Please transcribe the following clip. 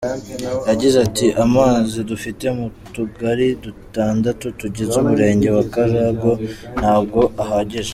Yagize ati ‘‘Amazi dufite mu tugari dutandatu tugize Umurenge wa Karago ntabwo ahagije.